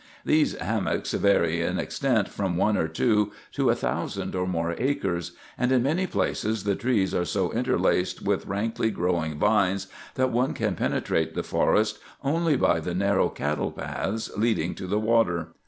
These 'hammocks' vary in extent from one or two to a thousand or more acres, and in many places the trees are so interlaced with rankly growing vines that one can penetrate the forest only by the narrow cattle paths leading to the water.